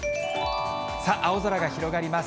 さあ、青空が広がります。